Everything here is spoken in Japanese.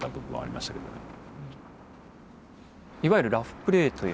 いわゆるラフプレーという？